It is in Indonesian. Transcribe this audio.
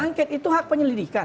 angket itu hak penyelidikan